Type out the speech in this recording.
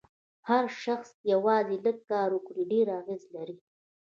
هر شخص یوازې لږ کار وکړي ډېر اغېز لري.